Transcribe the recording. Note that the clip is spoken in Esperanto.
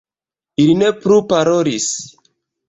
Ili ne plu parolis.